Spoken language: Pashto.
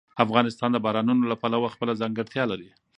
افغانستان د بارانونو له پلوه خپله ځانګړتیا لري.